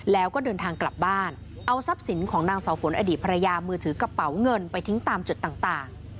แล้วก็เดินทางกลับบ้านเอาทรัพย์สินของนางเสาฝนอดีตภรรยามือถือกระเป๋าเงินไปทิ้งตามจุดต่าง